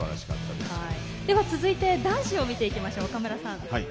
続いて、男子を見ていきましょう。